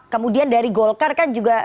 kemudian dari golkar kan juga